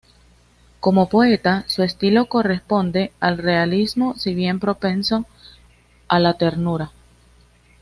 Como poeta, su estilo corresponde al realismo, si bien propenso a la ternura.